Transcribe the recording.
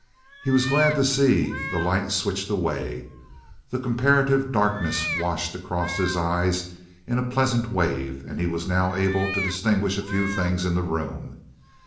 He was glad to see the light switched away. The comparative darkness washed across his eyes in a pleasant wave and he was now able to distinguish a few things in the room.